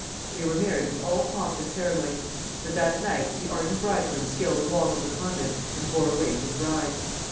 They were married with all pomp and ceremony; but that night the ardent bridegroom scaled the walls of the convent and bore away his bride.